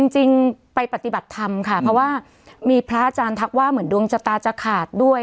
จริงไปปฏิบัติธรรมค่ะเพราะว่ามีพระอาจารย์ทักว่าเหมือนดวงชะตาจะขาดด้วย